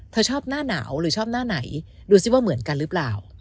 เธอชอบหน้าหนาวหรือชอบหน้าไหนดูสิว่าเหมือนกันหรือเปล่า